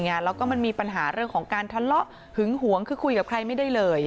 แล้วก็มันมีปัญหาเรื่องของการทะเลาะหึงหวงคือคุยกับใครไม่ได้เลย